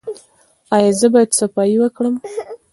ایا زه باید صفايي وکړم؟